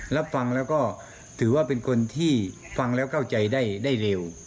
รับฟังแล้วก็ถือว่าเป็นคนที่ฟังแล้วเข้าใจได้เร็ว